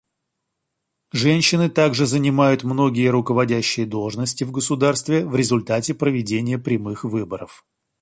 Женщины также занимают многие руководящие должности в государстве в результате проведения прямых выборов.